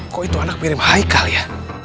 kok itu anak ngirim haikal ya